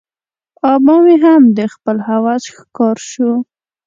آبا مې هم د خپل هوس ښکار شو.